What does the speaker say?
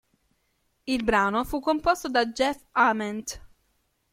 Il brano fu composto da Jeff Ament.